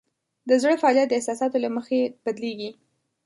د زړه فعالیت د احساساتو له مخې بدلېږي.